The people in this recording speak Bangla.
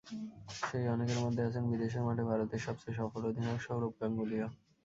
সেই অনেকের মধ্যে আছেন বিদেশের মাঠে ভারতের সবচেয়ে সফল অধিনায়ক সৌরভ গাঙ্গুলীও।